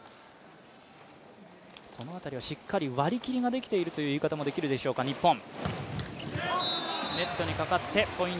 その辺りはしっかり割り切りができているという言い方もできるでしょうか日本。